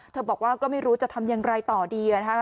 บอกว่าก็ไม่รู้จะทำอย่างไรต่อดีนะคะ